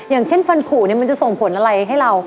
อย่างเช่นฟันผูเนี่ยมันจะส่งผลอะไรให้เรา